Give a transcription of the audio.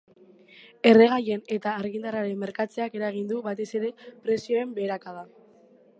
Erregaien eta argindarraren merkatzeak eragin du, batez ere, prezioen beherakada.